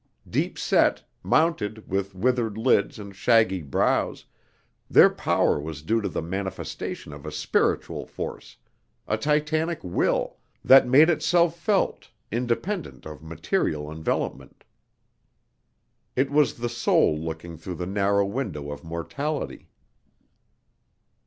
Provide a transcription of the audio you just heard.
Deep set, mounted with withered lids and shaggy brows, their power was due to the manifestation of a spiritual force, a Titanic will, that made itself felt, independent of material envelopment. It was the soul looking through the narrow window of mortality.